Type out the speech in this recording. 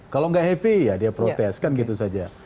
kalau nggak happy ya dia protes kan gitu saja